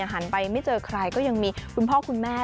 หันไปไม่เจอใครก็ยังมีคุณพ่อคุณแม่